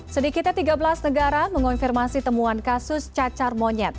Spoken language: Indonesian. sedikitnya tiga belas negara mengonfirmasi temuan kasus cacar monyet